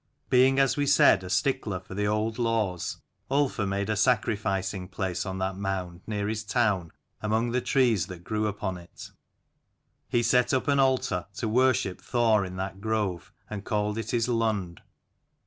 Being as we said a stickler for the old laws, Ulfar made a sacrificing place on that mound near his town 35 among the trees that grew upon it. He set up an altar to worship Thor in that grove, and called it his Lund.